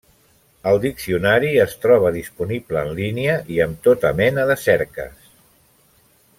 El diccionari es troba disponible en línia i amb tota mena de cerques.